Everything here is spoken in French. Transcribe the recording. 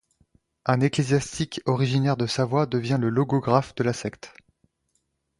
Un ecclésiastique originaire de Savoie devient le logographe de la secte.